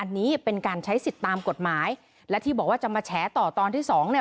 อันนี้เป็นการใช้สิทธิ์ตามกฎหมายและที่บอกว่าจะมาแฉต่อตอนที่สองเนี่ย